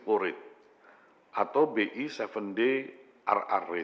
pertama kami meminta bapak ibu bapak ibu yang telah menerima pertumbuhan di sini